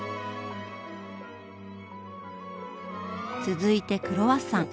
続いてクロワッサン。